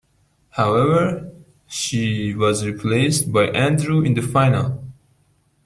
However, she was replaced by Andrew in the final.